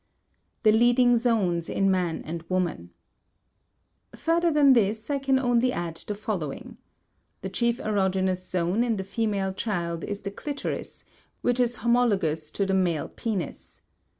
*The Leading Zones in Man and Woman.* Further than this I can only add the following. The chief erogenous zone in the female child is the clitoris, which is homologous to the male penis.